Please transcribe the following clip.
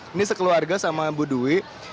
ini sekeluarga sama bu dwi